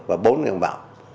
và bốn người vào